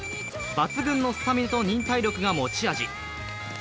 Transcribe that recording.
抜群のスタミナと忍耐力が持ち味。